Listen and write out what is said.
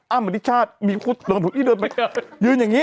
อ้ามมนิชชาติมีคนเลยเข้าไปยืนอย่างนี้